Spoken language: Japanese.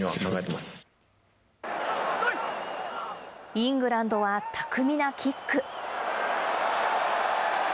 イングランドは巧みなキック。